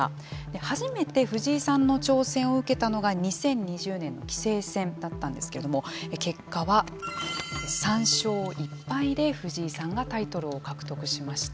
初めて藤井さんの挑戦を受けたのが２０２０年の棋聖戦だったんですけれども結果は、３勝１敗で藤井さんがタイトルを獲得しました。